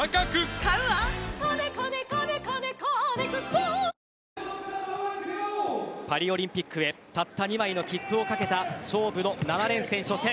そして若井さんパリオリンピックへたった２枚の切符を懸けた勝負の７連戦初戦。